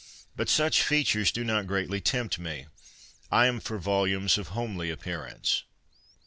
But such features do not greatly tempt me. I am for volumes of homely appearance.